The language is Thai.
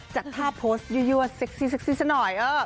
จากภาพโพสต์เยอะเยี่ยวเซ็กซี่สักหน่อย